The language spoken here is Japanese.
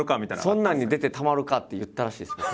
「そんなんに出てたまるか」って言ったらしいです。